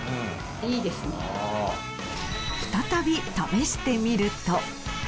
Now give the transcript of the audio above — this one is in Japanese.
再び試してみると。